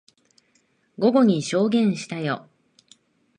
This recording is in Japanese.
午後に証言したよ。